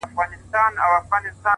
هره هڅه د راتلونکي بنسټ پیاوړی کوي؛